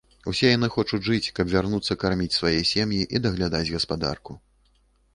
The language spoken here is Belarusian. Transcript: Усе яны хочуць жыць, каб вярнуцца карміць свае сем'і і даглядаць гаспадарку.